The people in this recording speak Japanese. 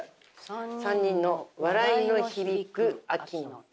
「三人の笑いのひびく秋の旅」